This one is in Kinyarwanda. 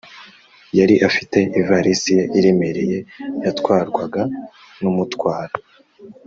yari afite ivalisi ye iremereye yatwarwaga n'umutwara.